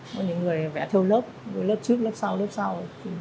có những người thì vẽ theo lớp lớp trước lớp sau lớp sau